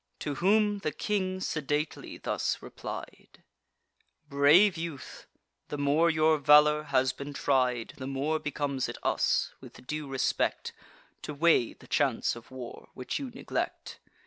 To whom the king sedately thus replied: "Brave youth, the more your valour has been tried, The more becomes it us, with due respect, To weigh the chance of war, which you neglect.